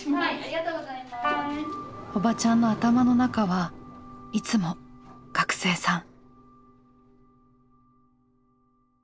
おばちゃんの頭の中はいつも学生さん。